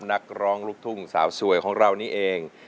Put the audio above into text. นักร้องลูกทุ่งสาวสวยของเรานี่เอง